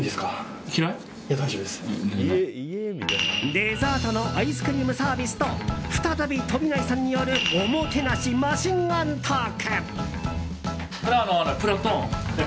デザートのアイスクリームサービスと再び飛内さんによるおもてなしマシンガントーク。